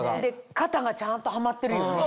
肩がちゃんとハマってるよね